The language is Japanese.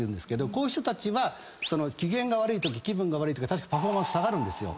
こういう人たちは機嫌が悪いとき気分が悪いときは確かにパフォーマンス下がるんですよ。